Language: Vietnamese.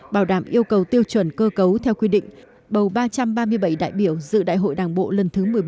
bảo đảm yêu cầu tiêu chuẩn cơ cấu theo quy định bầu ba trăm ba mươi bảy đại biểu dự đại hội đảng bộ lần thứ một mươi bốn